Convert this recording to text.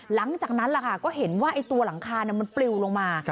หลังจากนั้นก็เห็นว่าตัวหลังคามันปลิวลงมา